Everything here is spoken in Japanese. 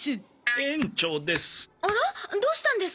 園長です。